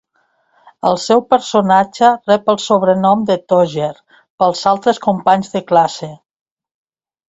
El seu personatge rep el sobrenom de "Togger" pels altres companys de classe.